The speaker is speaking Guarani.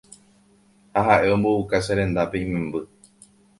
ha ha'e ombouka cherendápe imemby